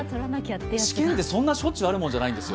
試験って、そんなしょっちゅうあるものじゃないんです。